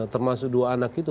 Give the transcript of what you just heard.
termasuk dua anak itu